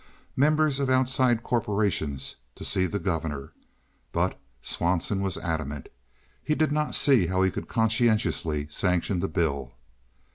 members of outside corporations to see the governor, but Swanson was adamant. He did not see how he could conscientiously sanction the bill.